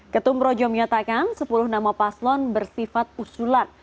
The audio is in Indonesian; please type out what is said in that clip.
ketum projo menyatakan sepuluh nama paslon bersifat usulan